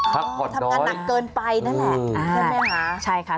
พอทำงานหนักเกินไปนั่นแหละใช่ไหมคะใช่ค่ะ